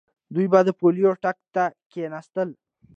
دوی به د پولۍ ټک ته کېناستل.